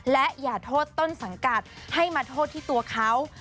และอย่าโทษต้นสังกัดให้มาโทษที่ตัวเขา